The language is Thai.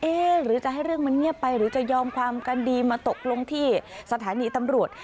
หรือจะให้เรื่องมันเงียบไปหรือจะยอมความกันดีมาตกลงที่สถานีตำรวจ